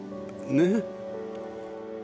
ねえ？